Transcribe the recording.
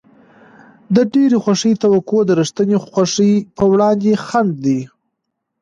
د ډېرې خوښۍ توقع د رښتینې خوښۍ په وړاندې خنډ دی.